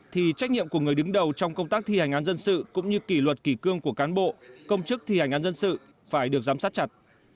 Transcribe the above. thì trách nhiệm của người đứng đầu trong công tác thi hành án dân sự cũng như kỷ luật kỷ cương của cán bộ công chức thi hành án dân sự phải được giám sát chặt